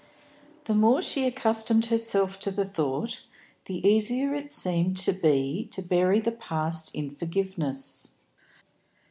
The more she accustomed herself to the thought, the easier it seemed to be to bury the past in forgiveness.